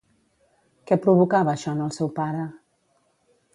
Què provocava això en el seu pare?